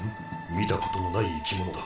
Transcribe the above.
見たことのない生き物だ。